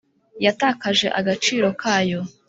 yatakaje agaciro kayo.